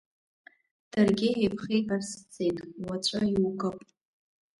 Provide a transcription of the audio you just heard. Даргьы еиԥхеибарс ицеит, уаҵәы иукып.